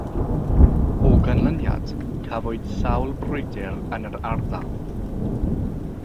O ganlyniad, cafwyd sawl brwydr yn yr ardal.